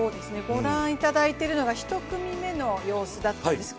御覧いただいているのが１組目の様子だったんです。